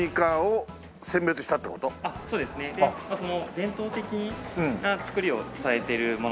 伝統的な作りをされているもの。